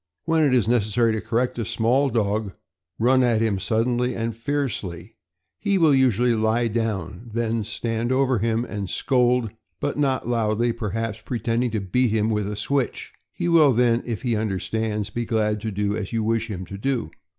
When it is necessary to correct a small dog, run at him suddenly and fiercely; he will usually lie down; then stand over him and scold, but not loudly, perhaps pretending to beat him with a switch. He will then, if he understands, be glad to do as you wish him to do.